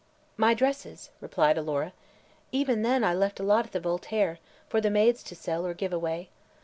"My dresses," replied Alora. "Even then, I left a lot at the Voltaire, for the maids to sell or give away.